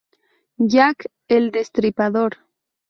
Jack el Destripador.